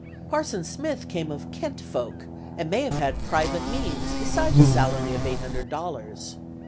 Parson Smith came of "kent folk," and may have had private means beside the salary of eight hundred dollars.